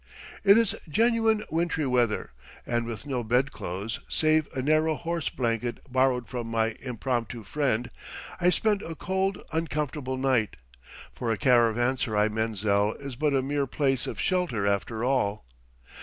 It is genuine wintry weather, and with no bedclothes, save a narrow horse blanket borrowed from my impromptu friend, I spend a cold, uncomfortable night, for a caravanserai menzil is but a mere place of shelter after all.